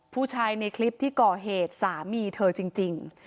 ผู้ชายในคลิปที่ก่อเหตุสามีเธอจริง